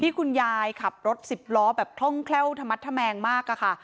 คุณยายขับรถสิบล้อแบบคล่องแคล่วธมัดธแมงมากอะค่ะ